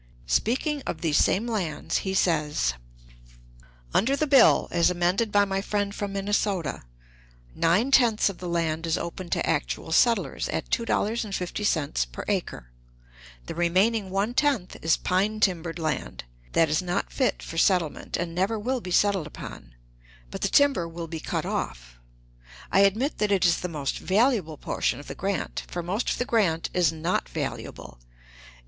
Speaking of these same lands, he says: "Under the bill, as amended by my friend from Minnesota, nine tenths of the land is open to actual settlers at $2.50 per acre; the remaining one tenth is pine timbered land, that is not fit for settlement, and never will be settled upon; but the timber will be cut off. I admit that it is the most valuable portion of the grant, for most of the grant is not valuable.